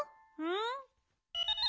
うん？